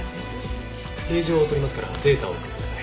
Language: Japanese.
令状を取りますからデータを送ってください。